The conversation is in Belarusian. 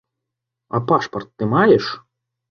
А пашпарт ты маеш?